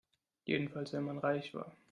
Jedenfalls wenn man reich war.